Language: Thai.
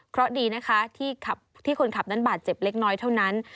เพราะดีนะคะที่คนขับนั้นบาดเจ็บเล็กน้อยเท่านั้น